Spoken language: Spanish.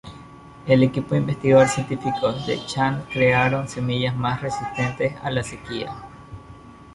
El equipo de investigadores científicos de Chan crearon semillas más resistentes a la sequía.